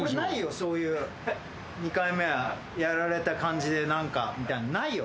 そういう２回目はやられた感じで何かみたいなのないよ。